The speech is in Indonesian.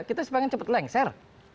kita sih ingin cepat lengser